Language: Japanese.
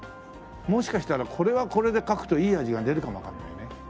もしかしたらこれはこれで描くといい味が出るかもわかんないね。